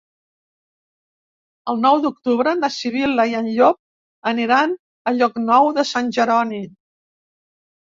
El nou d'octubre na Sibil·la i en Llop aniran a Llocnou de Sant Jeroni.